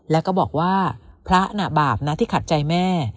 แล้วก็บอกว่าพระน่ะบาปนะที่ขัดใจแม่